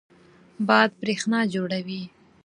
باد برېښنا جوړوي.